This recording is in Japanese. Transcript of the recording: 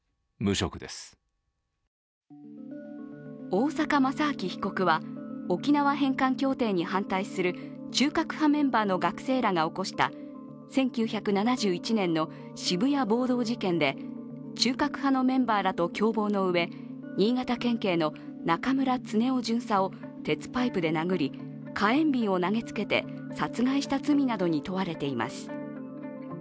大坂正明被告は沖縄返還協定に反対する中核派メンバーの学生らが起こした１９７１年の渋谷暴動事件で中核派のメンバーらと共謀のうえ新潟県警の中村恒雄巡査を鉄パイプで殴り火炎びんを投げつけて殺害した罪などに問われています。